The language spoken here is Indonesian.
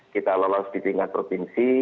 kita lolos di tingkat provinsi